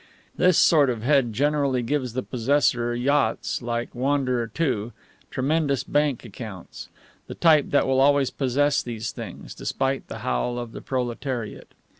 This sort of head generally gives the possessor yachts like Wanderer II, tremendous bank accounts; the type that will always possess these things, despite the howl of the proletariat.